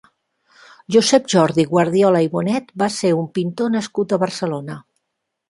Josep Jordi Guardiola i Bonet va ser un pintor nascut a Barcelona.